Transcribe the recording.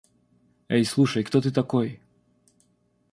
Эй слушай кто ты такой!